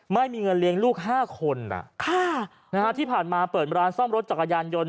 ไม่มีเงินเลี้ยงลูก๕คนที่ผ่านมาเปิดร้านซ่อมรถจักรยานยนต์